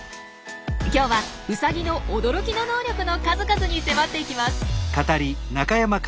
今日はウサギの驚きの能力の数々に迫っていきます！